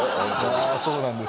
あーそうなんです